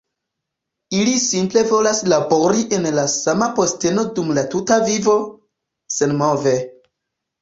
Ili simple volas labori en la sama posteno dum la tuta vivo, senmove.